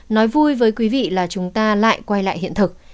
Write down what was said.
nói vui với quý vị là chúng ta lại quay lại hiện thực